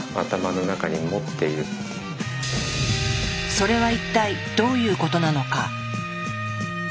それは一体どういうことなのか。